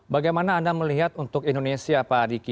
bagaimana anda melihat untuk indonesia pak adiki